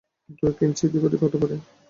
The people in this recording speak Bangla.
দু-এক ইঞ্চি এদিক-ওদিক হতে পারে।